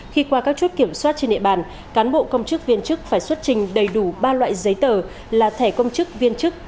khi qua các chốt kiểm soát trên địa bàn cán bộ công chức viên chức phải xuất trình đầy đủ ba loại giấy tờ là thẻ công chức viên chức